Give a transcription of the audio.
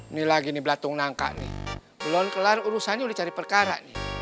ini lagi nih belatung nangka nih belon kelar urusannya udah cari perkara nih